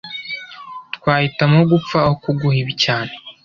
Twahitamo gupfa aho kuguha ibi cyane